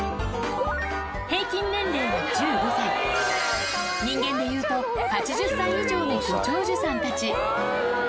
平均年齢は１５歳、人間でいうと８０歳以上のご長寿さんたち。